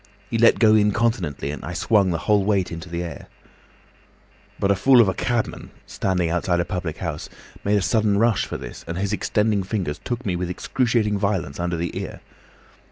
He let go incontinently, and I swung the whole weight into the air. "But a fool of a cabman, standing outside a public house, made a sudden rush for this, and his extending fingers took me with excruciating violence under the ear.